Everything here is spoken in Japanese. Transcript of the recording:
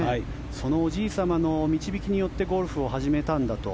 そのおじい様の導きによってゴルフを始めたんだと。